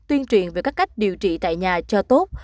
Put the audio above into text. tuyên truyền về các cách điều trị tại nhà cho tốt